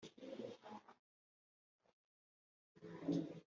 ibyo bizahabwa abazabakomokaho bose